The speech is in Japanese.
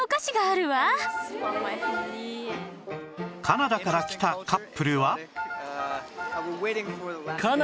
カナダから来たカップルは